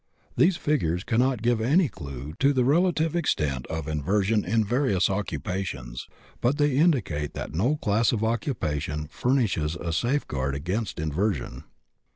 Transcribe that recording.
These figures cannot give any clue to the relative extent of inversion in various occupations, but they indicate that no class of occupation furnishes a safeguard against inversion.